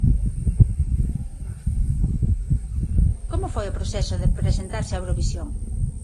Como foi o proceso de presentarse a Eurovisión?